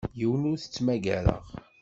Yiwen ur t-ttmagareɣ.